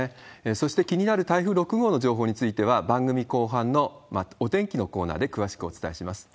そして、気になる台風６号の情報については、番組後半のお天気のコーナーで詳しくお伝えします。